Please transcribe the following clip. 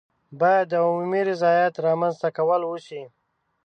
باید د عمومي رضایت رامنځته کول وشي.